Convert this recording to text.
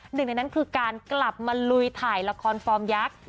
หนึ่งในนั้นคือการกลับมาลุยถ่ายละครฟอร์มยักษ์